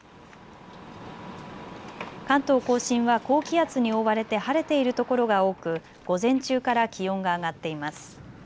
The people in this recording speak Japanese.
関東甲信は高気圧に覆われて晴れているところが多く午前中から気温が上がっています。